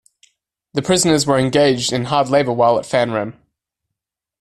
The prisoners were engaged in hard labor while at Fannrem.